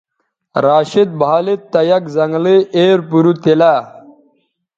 راشد بھالید تہ یک زنگلئ ایر پَرُو تیلہ